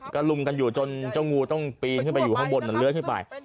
ก็ลุมกันอยู่จนเจ้างูต้องปีนขึ้นไปอยู่ข้างบนเลื้อยขึ้นไป